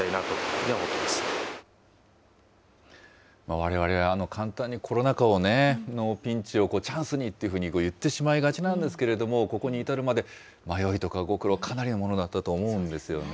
われわれは簡単にコロナ禍をね、ピンチをチャンスにっていうふうに言ってしまいがちなんですけれども、ここに至るまで迷いとかご苦労、かなりのものだったと思うんですよね。